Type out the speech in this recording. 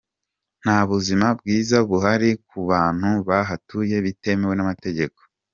Nta buzima bwiza buhari ku bantu bahatuye bitemewe n’amategeko.